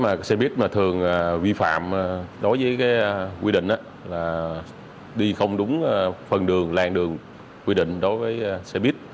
cái lỗi mà xe buýt thường vi phạm đối với quy định là đi không đúng phần đường làng đường quy định đối với xe buýt